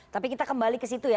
tapi kita kembali ke situ ya